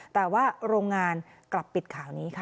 แต่ว่าโรงงานกลับปิดข่าวนี้ค่ะ